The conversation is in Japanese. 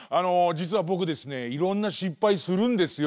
じつはぼくですねいろんな失敗するんですよ。